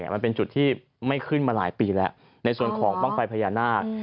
มันเป็นจุดที่ไม่ขึ้นมาหลายปีแล้วในส่วนของบ้างไฟพญานาค